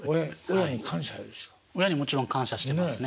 親にもちろん感謝してますね。